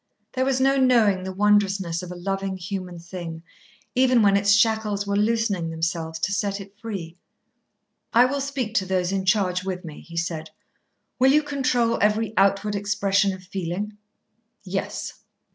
There was no knowing the wondrousness of a loving human thing, even when its shackles were loosening themselves to set it free. "I will speak to those in charge with me," he said. "Will you control every outward expression of feeling?" "Yes."